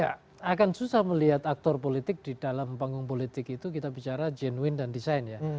karena seorang aktor politik di dalam panggung politik itu kita bicara jenuin dan desain ya